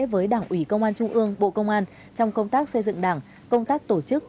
với đảng ủy công an trung ương bộ công an trong công tác xây dựng đảng công tác tổ chức